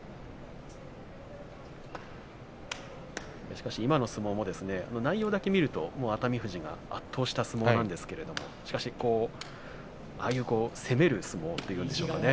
しかし今の相撲も内容だけ見ると熱海富士が圧倒した相撲なんですけれどしかし、ああいう攻める相撲というんでしょうかね